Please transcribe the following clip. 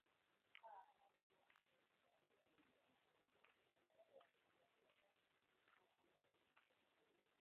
dola ya kiislamu ilidai kuwa wanachama wake waliwauwa takribani wakristo ishirini na